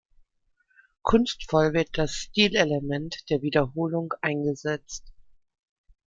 Kunstvoll wird das Stilelement der Wiederholung eingesetzt.